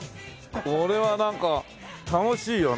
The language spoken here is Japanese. これはなんか楽しいよね。